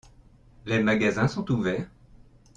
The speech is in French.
Les magasins sont ouverts ?